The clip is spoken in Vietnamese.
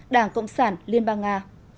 đảng cộng sản liên bang nga